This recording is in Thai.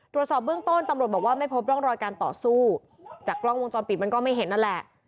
ตรวจสอบเบื้องต้นตำรวจบอกว่าไม่พบร่องรอยการต่อสู้จากกล้องวงจรปิดมันก็ไม่เห็นนั่นแหละ